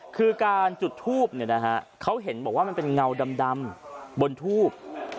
คือการจุดทูบเนี่ยนะฮะเค้าเห็นบอกว่ามันเป็นเงาดำบนทูบ